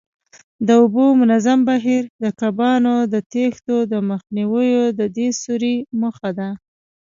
د اوبو منظم بهیر، د کبانو د تښتېدو مخنیوی د دې سوري موخه ده.